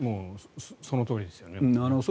そのとおりですよね。